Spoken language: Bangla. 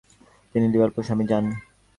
তিনি এবং তার স্বামী লিভারপুলে যান।